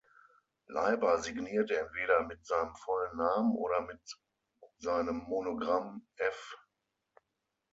Leiber signierte entweder mit seinem vollen Namen oder mit seinem Monogramm „F.